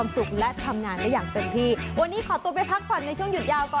สุขภาพร่างกายให้แข็ง